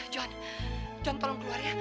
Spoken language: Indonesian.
jangan tolong keluar ya